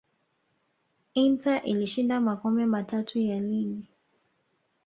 inter ilishinda makombe matatu ya ligi